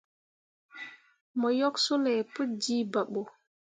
Mo yok sulay pu jiiba ɓo.